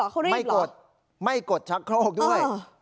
เขารีบเหรอไม่กดไม่กดชักโครกด้วยอ่า